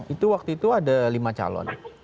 itu waktu itu ada lima calon